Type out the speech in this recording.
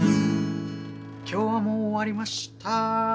「今日はもう終わりました」